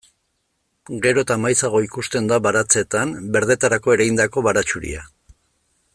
Gero eta maizago ikusten da baratzeetan berdetarako ereindako baratxuria.